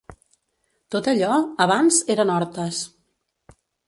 Tot allò, abans, eren hortes.